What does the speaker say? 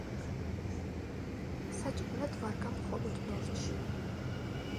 საჭმელად ვარგა მხოლოდ ნორჩი.